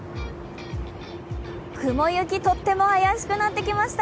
雲行き、とっても怪しくなってきました。